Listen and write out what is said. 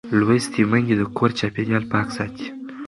لوستې میندې د کور چاپېریال پاک ساتي.